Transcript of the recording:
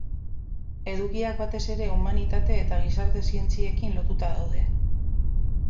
Edukiak batez ere humanitate eta gizarte zientziekin lotuta daude.